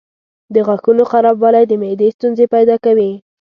د غاښونو خرابوالی د معدې ستونزې پیدا کوي.